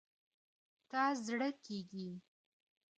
ته زړه کیږي